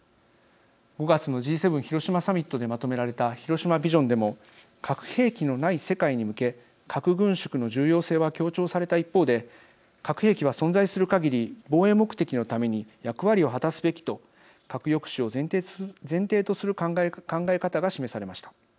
５月のＧ７広島サミットでまとめられた広島ビジョンでも核兵器のない世界に向け核軍縮の重要性は強調された一方で核兵器は存在するかぎり防衛目的のために役割を果たすべきと核抑止を前提とする考え方が示されました。